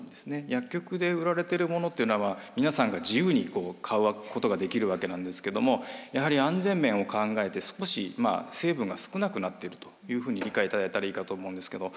薬局で売られてるものっていうのは皆さんが自由に買うことができるわけなんですけどもやはり安全面を考えて少し成分が少なくなっているというふうに理解いただいたらいいかと思うんですけど。